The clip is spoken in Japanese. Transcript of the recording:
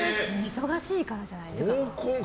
忙しいからじゃないですか。